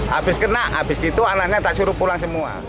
habis kena habis gitu anaknya tak suruh pulang semua